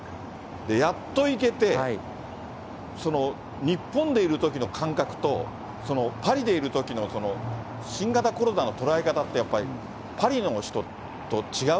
やっと行けて、日本でいるときの感覚と、パリでいるときの新型コロナの捉え方って、やっぱりパリの人と違う？